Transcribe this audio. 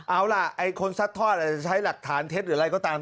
เอาล่ะไอ้คนซัดทอดอาจจะใช้หลักฐานเท็จหรืออะไรก็ตาม